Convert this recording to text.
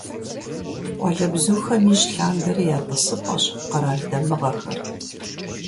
Къуалэбзухэм ижь лъандэрэ я «тӀысыпӀэщ» къэрал дамыгъэхэр.